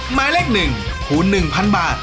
หมายเลข๑คูณ๑๐๐๐บาท